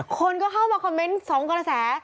คนก็เข้ามาคอมเมนต์๒กระแส